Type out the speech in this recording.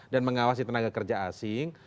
dan mengawasi tenaga kerja asing